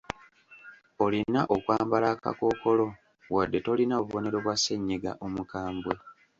Olina okwambala akakookolo wadde tolina bubonero bwa ssennyiga omukambwe.